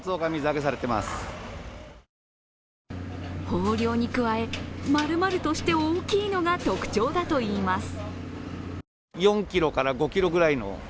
豊漁に加え、まるまるとして大きいのが特徴だといいます。